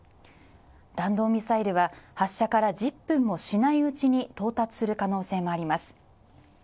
弾道ミサイルは発射から１０分もしないうちに到達する可能性があります。